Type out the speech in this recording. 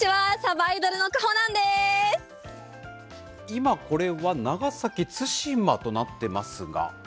今、これは長崎・対馬となってますが？